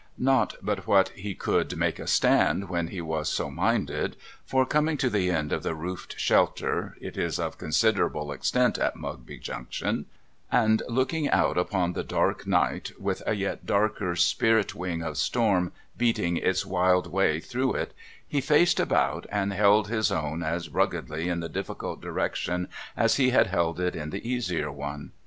Not but what he could make a stand when he was so minded, for, coming to the end of the roofed shelter (it is of considerable extent at Mugby Junction), and looking out upon the dark night, with a yet darker spirit wing of storm beating its wild way through it, he faced about, and held his own as ruggedly in the difficult direction as he had held it in the easier one.